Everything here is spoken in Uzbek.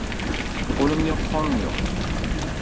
• O‘limga qonun yo‘q.